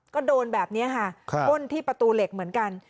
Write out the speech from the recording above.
ก็โดนแบบนี้ค่ะพ่นที่ประตูเหล็กเหมือนกัน